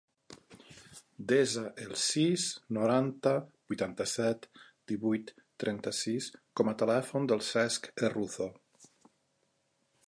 Desa el sis, noranta, vuitanta-set, divuit, trenta-sis com a telèfon del Cesc Herruzo.